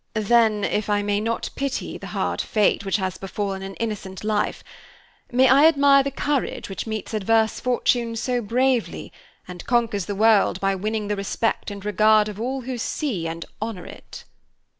"Then, if I may not pity the hard fate which has befallen an innocent life, may I admire the courage which meets adverse fortune so bravely, and conquers the world by winning the respect and regard of all who see and honor it?"